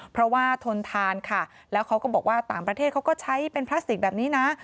เพราะว่าทนทานค่ะแล้วเขาก็บอกว่าต่างประเทศเขาก็ใช้เป็นพลาสติกแบบนี้นะ